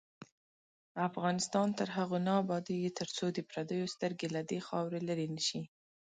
افغانستان تر هغو نه ابادیږي، ترڅو د پردیو سترګې له دې خاورې لرې نشي.